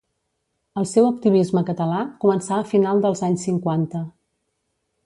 El seu activisme català començà a final dels anys cinquanta.